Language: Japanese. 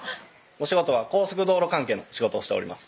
お仕事は高速道路関係の仕事をしております